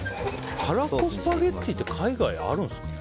タラコスパゲティって海外あるんですかね？